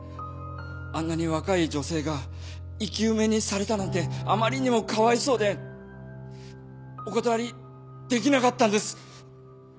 あんなに若い女性が生き埋めにされたなんてあまりにもかわいそうでお断りできなかったんです。